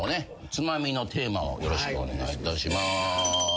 つまみのテーマをよろしくお願いいたします。